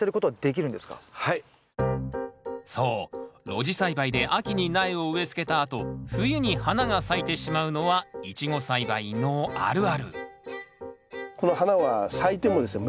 露地栽培で秋に苗を植えつけたあと冬に花が咲いてしまうのはイチゴ栽培のあるあるこの花は咲いてもですね